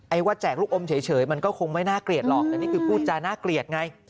ว่าแจกลูกอมเฉยมันก็คงไม่น่าเกลียดหรอกแต่นี่คือพูดจาน่าเกลียดไง